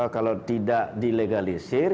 kalau tidak dilegalisir